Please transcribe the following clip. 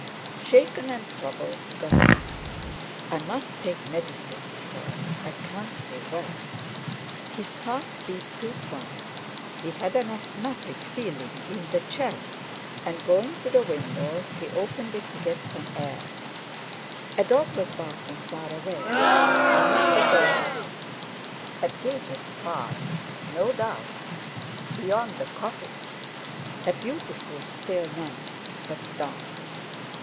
Shaken and troubled, he got up. "I must take medicine," he thought; "I can't be well." His heart beat too fast, he had an asthmatic feeling in the chest; and going to the window, he opened it to get some air. A dog was barking far away, one of the dogs at Gage's farm no doubt, beyond the coppice. A beautiful still night, but dark.